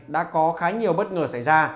đã có khá nhiều bất ngờ xảy ra